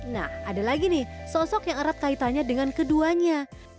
nah ada lagi nih sosok yang erat kaitannya dengan keduanya